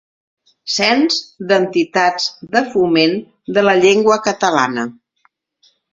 Cens d'entitats de foment de la llengua catalana.